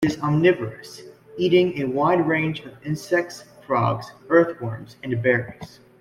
It is omnivorous, eating a wide range of insects, frogs, earthworms and berries.